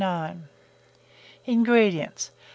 INGREDIENTS.